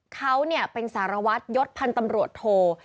เขาเนี่ยเป็นสารวัฒน์ยศพันธ์ตำรวจโทร